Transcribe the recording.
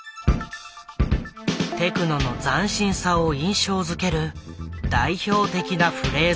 テクノの斬新さを印象付ける代表的なフレーズだった。